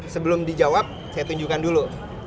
sebelum dijawab saya tunjukkan dulu